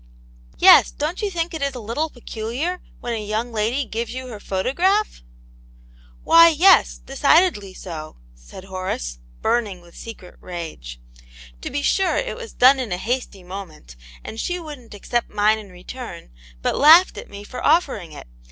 " Yes ; don't you think it is a little particular when a young lady gives you her photograph ?" "Why, yes, decidedly so," said Horace, burning with secret rage. " To be sure it was done in a hasty moment, and she wouldn't accept mine in return, but laughed at me for offering it.